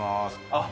あっ